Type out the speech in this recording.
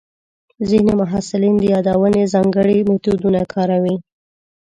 ځینې محصلین د یادونې ځانګړي میتودونه کاروي.